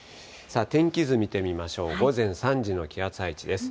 天気図見てみましょう、午前３時の気圧配置です。